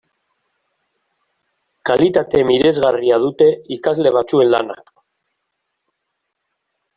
Kalitate miresgarria dute ikasle batzuen lanak.